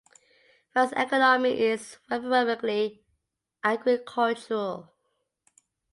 Farah's economy is overwhelmingly agricultural.